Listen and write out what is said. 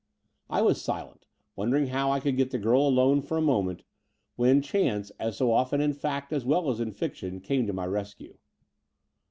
I was silent, wondering how I could get the girl alone for a moment, when chance, as so often in fact as well as in fiction, came to my rescue.